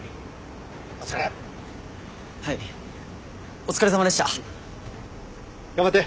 お疲れさまでした。頑張って。